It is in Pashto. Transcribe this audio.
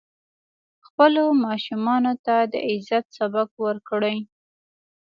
خپلو ماشومانو ته د عزت سبق ورکړئ.